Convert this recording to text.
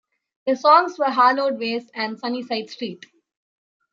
The songs were "Hallowed Ways" and "Sunnyside St.".